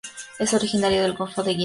Es originaria del Golfo de Guinea.